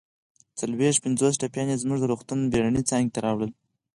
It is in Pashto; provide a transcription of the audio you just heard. څلويښت پنځوس ټپیان يې زموږ د روغتون بېړنۍ څانګې ته راوړل